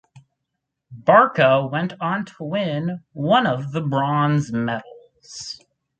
Barka went on to win one of the bronze medals.